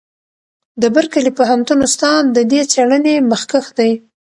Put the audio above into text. د برکلي پوهنتون استاد د دې څېړنې مخکښ دی.